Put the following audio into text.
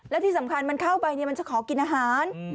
และที่สำคัญมันเข้าไปมันจะขอกินอาหาร